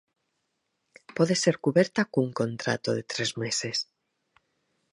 Pode ser cuberta cun contrato de tres meses.